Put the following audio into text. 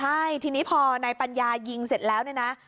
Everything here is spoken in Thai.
ใช่ทีนี้พอนายปัญญายิงเสร็จแล้วเนี่ยนะ